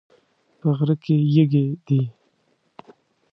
په غره کې یږي دي